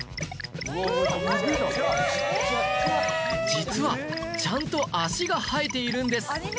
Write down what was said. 実はちゃんと脚が生えているんです！